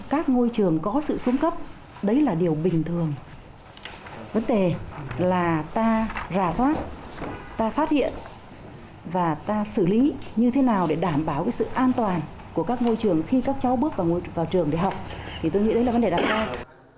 các ngôi trường có sự xuống cấp đấy là điều bình thường vấn đề là ta rà soát ta phát hiện và ta xử lý như thế nào để đảm bảo sự an toàn của các ngôi trường khi các cháu bước vào trường để học thì tôi nghĩ đấy là vấn đề đặt ra